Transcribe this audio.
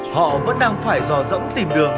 họ vẫn đang phải dò dẫm tìm đường